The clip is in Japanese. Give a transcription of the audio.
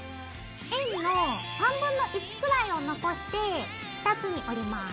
円の1/3くらいを残して２つに折ります。